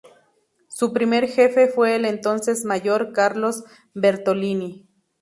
Su primer jefe fue el entonces mayor Carlos Bertolini.